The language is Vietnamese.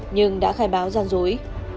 nhưng đã khai báo gian dối